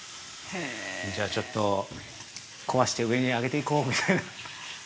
じゃあ、ちょっと壊して上に上げていこうみたいな。